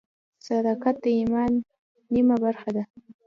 صداقت د ایمان نیمه برخه ده.